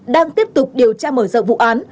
đang tiếp tục điều tra mở rộng vụ án